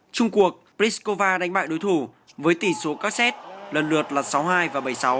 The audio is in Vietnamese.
trung cuộc pliskova đánh bại đối thủ với tỷ số các xét lần lượt là sáu hai và bảy sáu